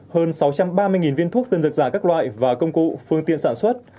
hơn sáu trăm ba mươi viên thuốc tân dược giả các loại và công cụ phương tiện sản xuất